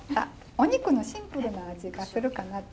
お肉のシンプルな味がするかなと。